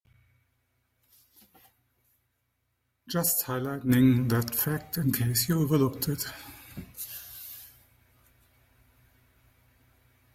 Just highlighting that fact in case you overlooked it.